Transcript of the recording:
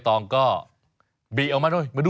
ไซส์ลำไย